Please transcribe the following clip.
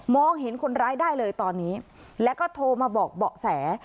เห็นคนร้ายได้เลยตอนนี้แล้วก็โทรมาบอกเบาะแส